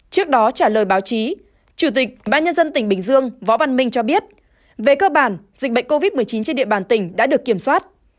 trước đó trả lời báo chí chủ tịch ubnd tỉnh bình dương võ văn minh cho biết về cơ bản dịch bệnh covid một mươi chín trên địa bàn tỉnh đã được kiểm soát